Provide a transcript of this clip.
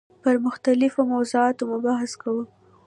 پر مختلفو موضوعاتو مو بحث کاوه.